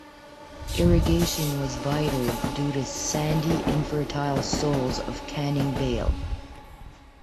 Irrigation was vital due to sandy, infertile soils of Canning Vale.